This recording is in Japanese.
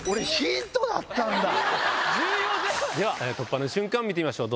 では突破の瞬間見てみましょう。